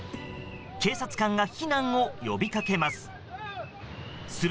警察官が避難を呼びかけます。